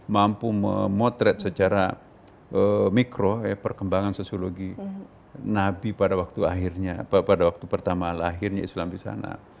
mampu memotret secara mikro perkembangan sosiologi nabi pada waktu akhirnya pada waktu pertama lahirnya islam di sana